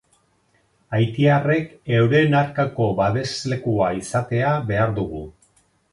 Haitiarrek eurien aurkako babeslekuak izatea behar dugu.